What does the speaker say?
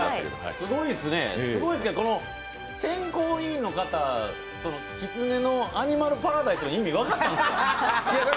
すごいですけど、選考委員の方、きつねの「アニマルパラダイス」の意味、分かってたんですか？